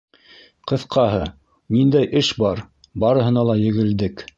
Ҡыҫҡаһы, ниндәй эш бар, барыһына ла егелдек.